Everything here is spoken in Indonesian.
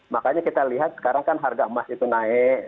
makanya kita lihat sekarang kan harga emas itu naik